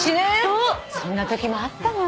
そんなときもあったのよ